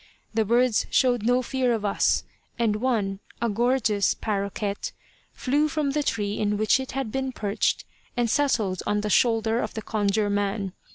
The birds showed no fear of us, and one, a gorgeous paroquet, flew from the tree in which it had been perched and settled on the shoulder of the Conjure man.